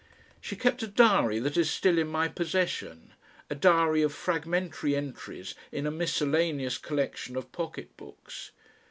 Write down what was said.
She kept a diary that is still in my possession, a diary of fragmentary entries in a miscellaneous collection of pocket books.